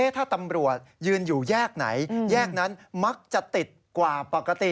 ถ้าตำรวจยืนอยู่แยกไหนแยกนั้นมักจะติดกว่าปกติ